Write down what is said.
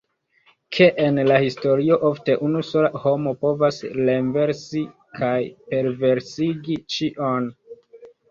Ke en la historio ofte unu sola homo povas renversi kaj perversigi ĉion.